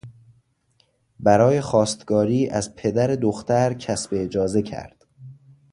برای خواستگاری از پدر دختر کسب اجازه کرد.